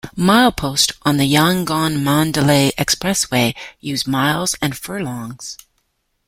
Mileposts on the Yangon-Mandalay Expressway use miles and furlongs.